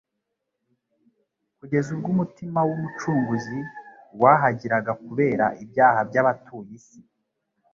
kugeza ubwo umutima w'Umucunguzi wahagiraga kubera ibyaha by'abatuye isi.